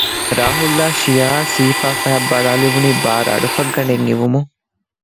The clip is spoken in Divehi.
ރާހުލް އާއި ޝިޔާއަށް ސިހިފައި ފަހަތް ބަލާލެވުނީ ބާރު އަޑުފައްގަނޑެއް އިވުމުން